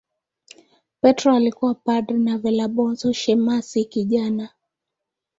Petro alikuwa padri na Valabonso shemasi kijana.